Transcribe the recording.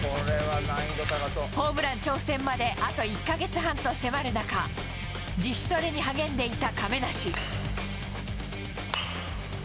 ホームラン挑戦まで、あと１か月半と迫る中、自主トレに励んでいた亀梨。